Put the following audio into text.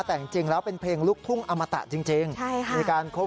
แต่จริงแล้วเป็นเพลงลูกทุ่งอมตะจริงในการโคเวอร์อะไรต่างมักมายนะครับ